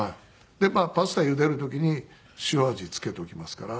パスタゆでる時に塩味つけときますから。